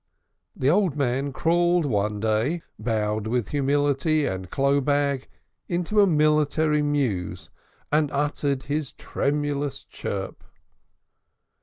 The old man crawled one day, bowed with humility and clo' bag, into a military mews and uttered his tremulous chirp.